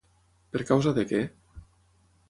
Per causa de què?